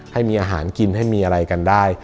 ให้มีอาหารกินให้มีอะไรกันได้